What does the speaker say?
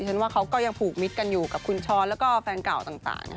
ฉันว่าเขาก็ยังผูกมิตรกันอยู่กับคุณช้อนแล้วก็แฟนเก่าต่าง